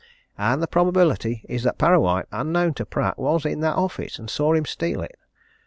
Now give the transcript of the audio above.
And the probability is that Parrawhite, unknown to Pratt, was in that office, and saw him steal it.